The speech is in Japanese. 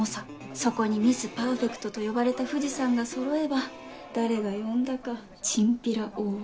そこにミス・パーフェクトと呼ばれた藤さんがそろえば誰が呼んだかチンピラ大奥。